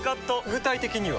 具体的には？